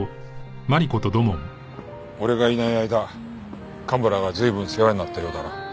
俺がいない間蒲原が随分世話になったようだな。